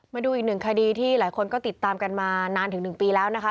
มาดูอีกหนึ่งคดีที่หลายคนก็ติดตามกันมานานถึง๑ปีแล้วนะคะ